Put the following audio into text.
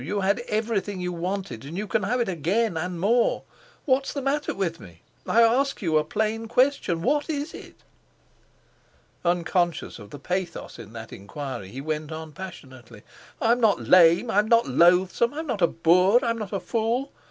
You had everything you wanted; and you can have it again, and more. What's the matter with me? I ask you a plain question: What is it?" Unconscious of the pathos in that enquiry, he went on passionately: "I'm not lame, I'm not loathsome, I'm not a boor, I'm not a fool.